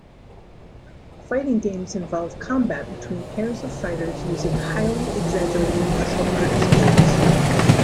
Fighting games involve combat between pairs of fighters using highly exaggerated martial arts moves.